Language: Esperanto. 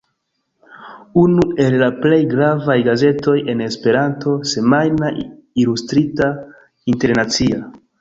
Unu el la plej gravaj gazetoj en Esperanto, semajna, ilustrita, internacia.